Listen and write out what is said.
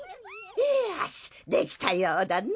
よしできたようだね。